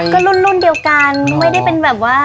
ก็รุ่นเดียวกันไม่ได้เป็นแบบว่า